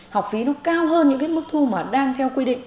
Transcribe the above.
học phí nó cao hơn những cái mức thu mà đang theo quy định